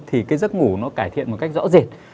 thì cái giấc ngủ nó cải thiện một cách rõ rệt